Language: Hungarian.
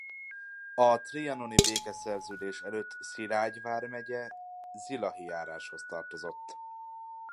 A trianoni békeszerződés előtt Szilágy vármegye Zilahi járásához tartozott.